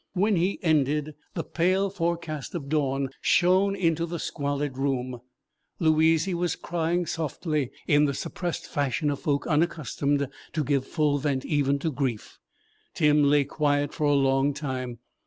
When he ended, the pale forecast of dawn shone into the squalid room. Louizy was crying softly, in the suppressed fashion of folk unaccustomed to give full vent even to grief. Tim lay quiet for a long time.